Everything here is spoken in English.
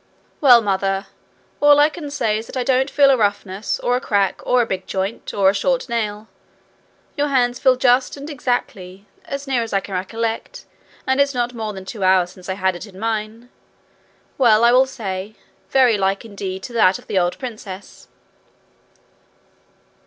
'Well, Mother, all I can say is that I don't feel a roughness, or a crack, or a big joint, or a short nail. Your hand feels just and exactly, as near as I can recollect, and it's not more than two hours since I had it in mine well, I will say, very like indeed to that of the old princess.'